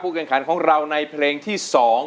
ผู้เกิดขันของเราในเพลงที่สอง